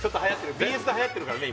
ＢＳではやってるからね